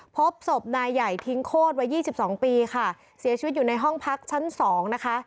พบศพนายใหญ่ทิ้งโคตรวัยยี่สิบสองปีค่ะเสียชีวิตอยู่ในห้องพักชั้นสองนะคะ